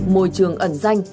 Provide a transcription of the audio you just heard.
môi trường ẩn danh